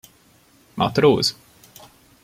Matróz?